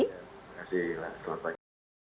terima kasih selamat pagi